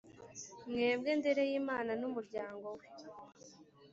mwebwe ndereyimana n’umuryango we